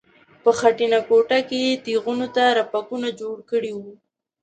په خټینه کوټه کې یې تیغونو ته رپکونه جوړ کړي وو.